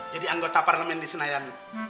jadi anggota parlemen di senayan